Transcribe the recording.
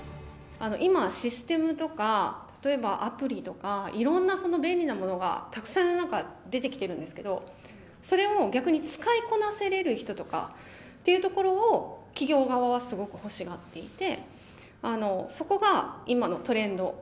今、システムとか、例えばアプリとか、いろんな便利なものがたくさん、なんか出てきてるんですけど、それを逆に使いこなせれる人というところを、企業側はすごく欲しがっていて、そこが今のトレンド。